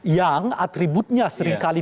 yang atributnya seringkali